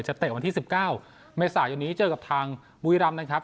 เตะวันที่๑๙เมษายนนี้เจอกับทางบุรีรำนะครับ